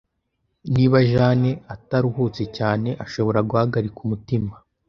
Niba Jane ataruhutse cyane, ashobora guhagarika umutima.